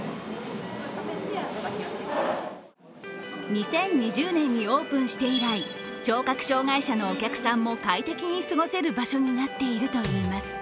２０２０年にオープンして以来、聴覚障害者のお客さんも快適に過ごせる場所になっているといいます。